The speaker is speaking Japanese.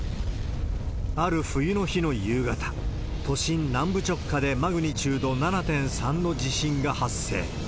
ある冬の日の夕方、都心南部直下でマグニチュード７．３の地震が発生。